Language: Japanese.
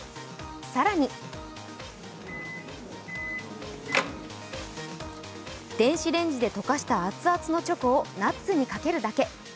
更に電子レンジで溶かした熱々のチョコをナッツにかけるだけ。